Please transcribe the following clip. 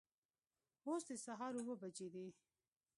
اوس د سهار اوه بجې دي